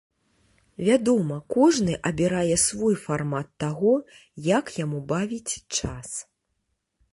Вядома, кожны абірае свой фармат таго, як яму бавіць час.